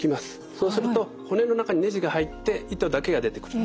そうすると骨の中にねじが入って糸だけが出てくると。